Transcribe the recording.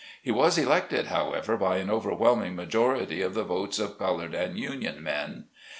He was elected, however, by an over whelming majority of the votes of colored and union men.